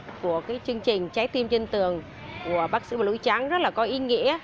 và những trường hợp của chương trình trái tim trên tường của bác sĩ bà lũy trắng rất là có ý nghĩa